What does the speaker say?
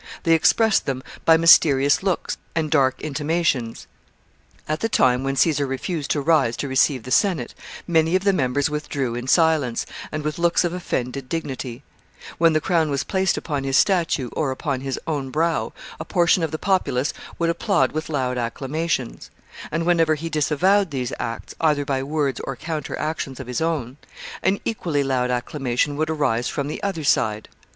They expressed them by mysterious looks and dark intimations. At the time when Caesar refused to rise to receive the Senate, many of the members withdrew in silence, and with looks of offended dignity When the crown was placed upon his statue or upon his own brow, a portion of the populace would applaud with loud acclamations; and whenever he disavowed these acts, either by words or counter actions of his own, an equally loud acclamation would arise from the other side.